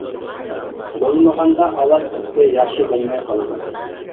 بولمىغاندا ئاۋاز سۈپىتى ياخشى بولماي قالىدۇ.